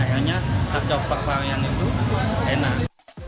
akhirnya coba varian itu enak